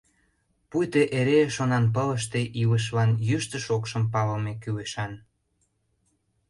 — Пуйто эре шонанпылыште илышылан йӱштӧ-шокшым палыме кӱлешан!